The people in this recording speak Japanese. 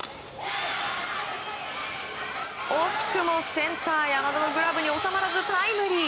惜しくもセンター山田のグラブに収まらずタイムリー！